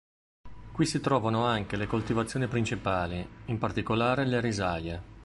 Qui si trovano anche le coltivazioni principali, in particolare le risaie.